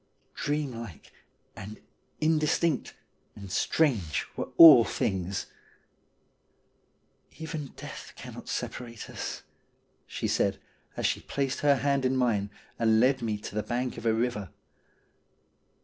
Dream like and indistinct and strange were all things. ' Even death cannot separate us,' she said, as she placed her hand in mine, and led me to the bank of a river.